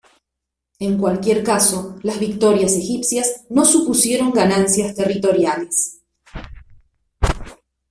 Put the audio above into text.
En cualquier caso, las victorias egipcias no supusieron ganancias territoriales.